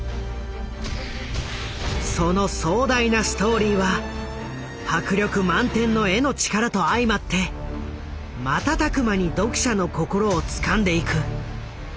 その壮大なストーリーは迫力満点の絵の力と相まって瞬く間に読者の心をつかんでいく。